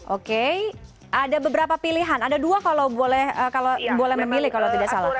oke ada beberapa pilihan ada dua kalau boleh memilih kalau tidak salah